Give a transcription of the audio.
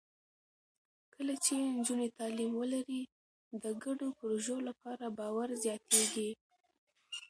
کله چې نجونې تعلیم ولري، د ګډو پروژو لپاره باور زیاتېږي.